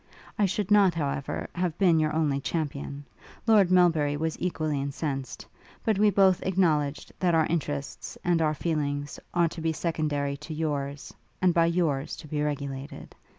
I should not, however, have been your only champion; Lord Melbury was equally incensed; but we both acknowledged that our interests and our feelings ought to be secondary to yours, and by yours to be regulated.